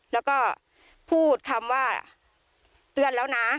แล้วก็พูดคำว่าเตือนแล้วนะ